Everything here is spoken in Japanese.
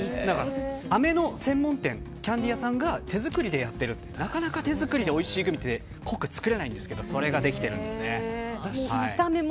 あめの専門店キャンディー屋さんが手作りでやっていて手作りで、おいしいグミって作れないんですけどこれができてるんですね。